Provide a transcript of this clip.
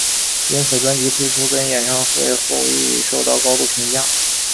因此专辑推出跟演唱会后亦受到高度评价。